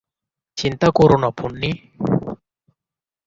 চিন্তা কোরো না, পন্নি।